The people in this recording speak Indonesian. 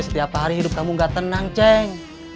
setiap hari hidup kamu gak tenang ceng